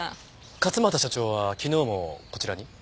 勝又社長は昨日もこちらに？